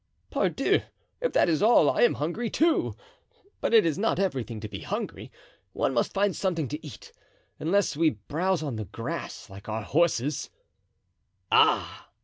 "Pardieu, if that is all, I am hungry, too; but it is not everything to be hungry, one must find something to eat, unless we browse on the grass, like our horses——" "Ah!"